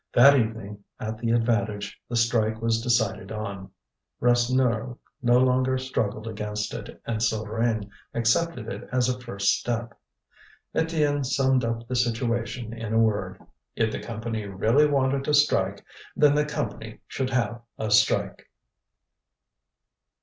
That evening at the Avantage the strike was decided on. Rasseneur no longer struggled against it, and Souvarine accepted it as a first step. Étienne summed up the situation in a word: if the Company really wanted a strike then the Company should have a strike.